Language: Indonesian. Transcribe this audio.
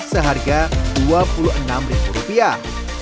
seharga dua puluh enam ribu rupiah